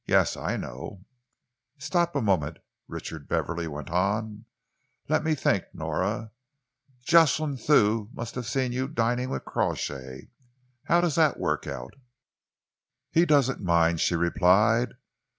"Yes, I know." "Stop a moment," Richard Beverley went on. "Let me think, Nora. Jocelyn Thew must have seen you dining with Crawshay. How does that work out?" "He doesn't mind," she replied.